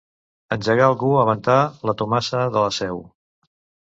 Engegar algú a ventar la Tomasa de la Seu.